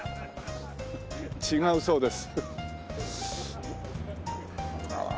違うそうです。